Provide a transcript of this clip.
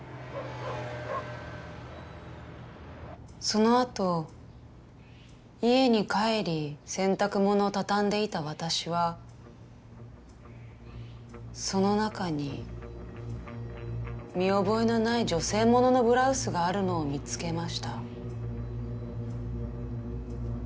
そのあと家に帰り洗濯物を畳んでいた私はその中に見覚えのない女性もののブラウスがあるのを見つけました。